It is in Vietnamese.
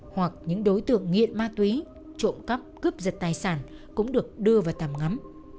hoặc những đối tượng nghiện ma túy trộm cắp cướp giật tài sản cũng được đưa vào tầm ngắm